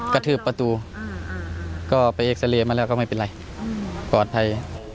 กระทืบประตูก็ไปเอ็กซาเรย์มาแล้วก็ไม่เป็นไรปลอดภัย